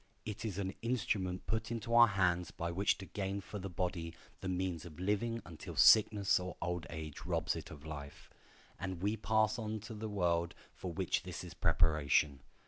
It is an instrument put into our hands by which to gain for the body the means of living until sickness or old age robs it of life, and we pass on to the world for which this is a preparation.